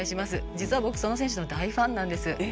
実は僕、その選手の大ファンなんです。